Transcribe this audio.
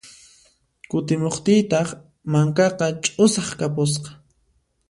Kutimuqtiytaq mankaqa ch'usaq kapusqa.